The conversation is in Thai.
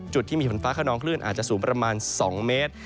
จุดที่มีฝนฟ้าขนองคลื่นอาจจะสูงประมาณ๒เมตร